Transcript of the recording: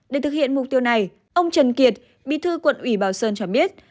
để thực hiện mục tiêu này ông trần kiệt bí thư quận ủy bảo sơn cho biết